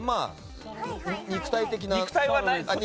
肉体的な。